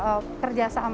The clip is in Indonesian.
selain itu dari sisi umkm